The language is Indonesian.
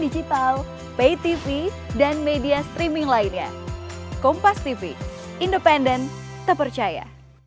digital pay tv dan media streaming lainnya kompas tv independen terpercaya